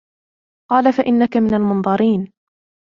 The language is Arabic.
قال فإنك من المنظرين